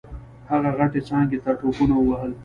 هغه غټې څانګې ته ټوپونه ووهل.